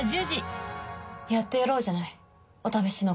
やってやろうじゃない。